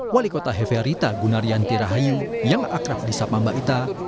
wali kota hefearita gunarian tirahayu yang akrab di sapambaita